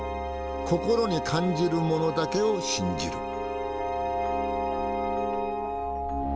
心に感じるものだけを信じる」。